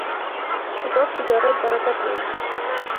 شفاف تجارت برکت لري.